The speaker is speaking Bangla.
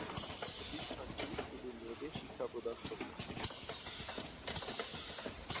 প্রতিষ্ঠানটি শুধু মেয়েদের শিক্ষা প্রদান করে।